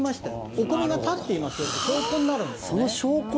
お米が立っていますとこうなるんです。